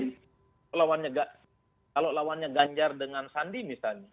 ya mungkin kalau lawannya ganjar dengan sandi misalnya